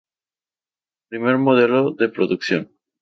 Primer modelo de producción.